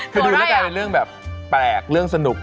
คือดูแล้วกลายเป็นเรื่องแบบแปลกเรื่องสนุก